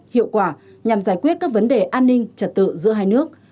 hiệu quả nhằm giải quyết các vấn đề an ninh trật tự giữa hai nước